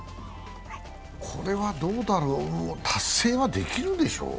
これはどうだろう、達成はできるでしょう？